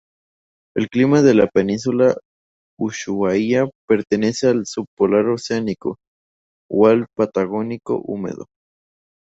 El clima de la península Ushuaia pertenece al subpolar oceánico, o al "patagónico húmedo".